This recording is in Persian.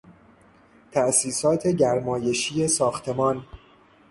تاسیسات گرمایشی ساختمان